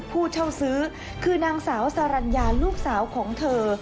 ผู้เช่าซื้อคือนางสาวสรรญาลูกสาวของเธอ